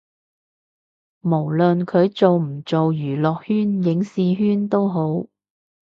無論佢做唔做娛樂圈影視圈都好